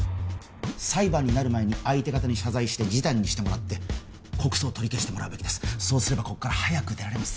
裁判になる前に相手方に謝罪して示談にしてもらって告訴を取り消してもらえばここから早く出られます